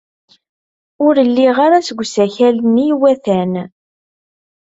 Ur lliɣ ara deg usakal-nni iwatan.